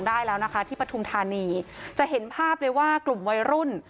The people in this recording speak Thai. ได้แล้วนะคะที่ปฐุมธานีจะเห็นภาพเลยว่ากลุ่มวัยรุ่น